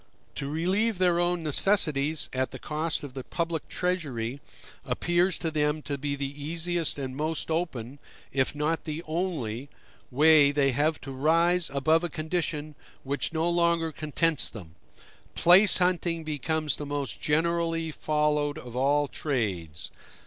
To relieve their own necessities at the cost of the public treasury, appears to them to be the easiest and most open, if not the only, way they have to rise above a condition which no longer contents them; place hunting becomes the most generally followed of all trades.